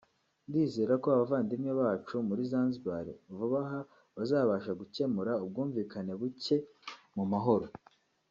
Ndizera ko abavandimwe bacu muri Zanzibar - vuba aha - bazabasha gukemura ubwumvikane bucye mu mahoro